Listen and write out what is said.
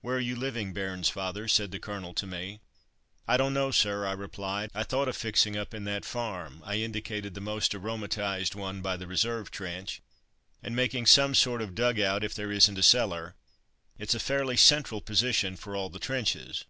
"Where are you living, Bairnsfather?" said the Colonel to me. "I don't know, sir," I replied. "I thought of fixing up in that farm (I indicated the most aromatized one by the reserve trench) and making some sort of a dug out if there isn't a cellar; it's a fairly central position for all the trenches."